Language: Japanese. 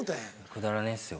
くだらねえっすよ。